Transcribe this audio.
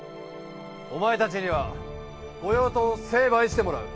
お前たちには御用盗を成敗してもらう。